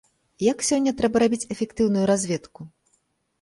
Як сёння трэба рабіць эфектыўную разведку?